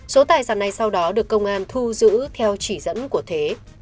số tài sản này sau đó được công an thu giữ theo chỉ dẫn của thế